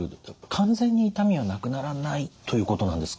完全に痛みはなくならないということなんですか？